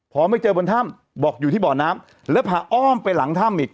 พอไม่เจอบนถ้ำบอกอยู่ที่บ่อน้ำแล้วพาอ้อมไปหลังถ้ำอีก